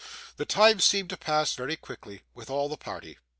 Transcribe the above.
The time seemed to pass very quickly with all the party.